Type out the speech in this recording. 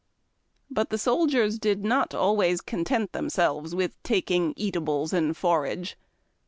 But the soldiers did not always content themselves with taking eatables and forage.